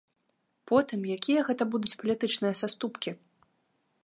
Потым, якія гэта будуць палітычныя саступкі?